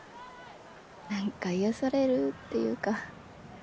なんか癒やされるっていうか。